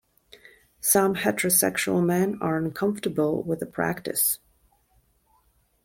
Some heterosexual men are uncomfortable with the practice.